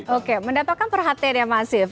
oke mendapatkan perhatian yang masif